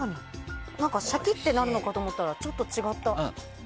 確かに、シャキッとなるのかと思ったらちょっと違った。